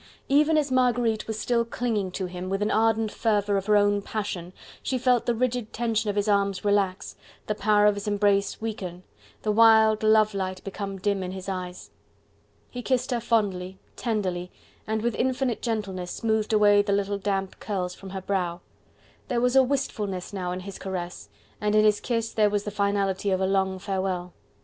Even as Marguerite was still clinging to him, with the ardent fervour of her own passion, she felt the rigid tension of his arms relax, the power of his embrace weaken, the wild love light become dim in his eyes. He kissed her fondly, tenderly, and with infinite gentleness smoothed away the little damp curls from her brow. There was a wistfulness now in his caress, and in his kiss there was the finality of a long farewell.